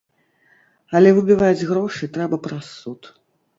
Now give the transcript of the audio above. Але выбіваць грошы трэба праз суд.